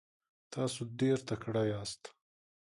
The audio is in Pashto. تاسو ډیر تکړه یاست.